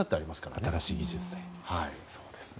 新しい技術ですね。